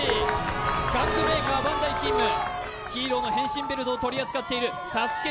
玩具メーカーＢＡＮＤＡＩ勤務ヒーローの変身ベルトを取り扱っているＳＡＳＵＫＥ